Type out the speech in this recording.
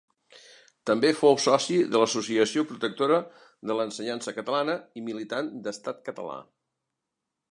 També fou soci de l'Associació Protectora de l'Ensenyança Catalana i militant d'Estat Català.